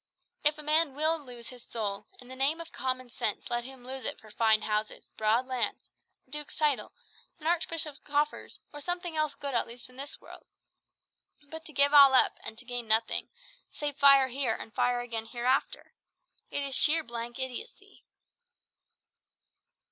If a man will lose his soul, in the name of common sense let him lose it for fine houses, broad lands, a duke's title, an archbishop's coffers, or something else good at least in this world. But to give all up, and to gain nothing, save fire here and fire again hereafter! It is sheer, blank idiocy."